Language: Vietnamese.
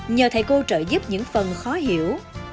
nhờ thầy cô trợ giúp những phần khó hiểu